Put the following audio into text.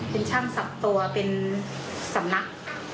เป็นช่างสับตัวเป็นสำนัก